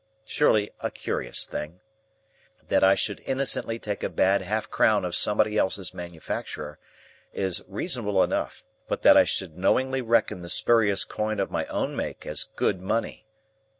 Surely a curious thing. That I should innocently take a bad half crown of somebody else's manufacture is reasonable enough; but that I should knowingly reckon the spurious coin of my own make as good money!